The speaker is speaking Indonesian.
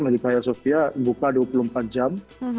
medikaya sofia buka dua puluh empat jam